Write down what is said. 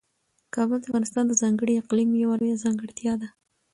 کابل د افغانستان د ځانګړي اقلیم یوه لویه ځانګړتیا ده.